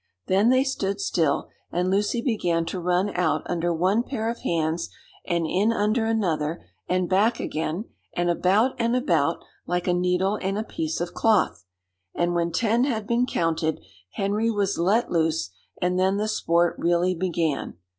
Then they stood still, and Lucy began to run out under one pair of hands and in under another, and back again, and about and about like a needle in a piece of cloth; and when ten had been counted, Henry was let loose, and then the sport really began.